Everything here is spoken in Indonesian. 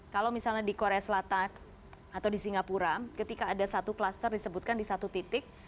kalau misalnya di korea selatan atau di singapura ketika ada satu klaster disebutkan di satu titik